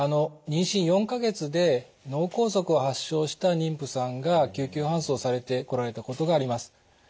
妊娠４か月で脳梗塞を発症した妊婦さんが救急搬送されてこられたことがあります。